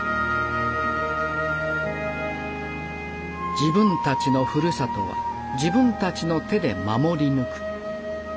自分たちのふるさとは自分たちの手で守り抜く。